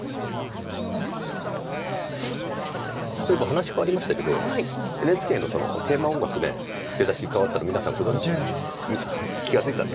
そういえば話変わりましたけどＮＨＫのテーマ音楽出だし変わったの皆さん気が付いたんでしょうか。